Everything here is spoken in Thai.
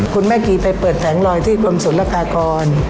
คุณแม่กีไปเปิดแผงลอยที่กรมศูนยากากร